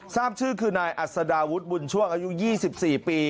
ทราบชื่อคือนายอัศดาวุฒิบุญช่วงอายุ๒๔ปี